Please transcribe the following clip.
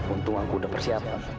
untung aku sudah bersiap